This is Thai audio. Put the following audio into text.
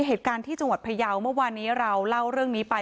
เหตุการณ์ที่จังหวัดพยาวเมื่อวานี้เราเล่าเรื่องนี้ไป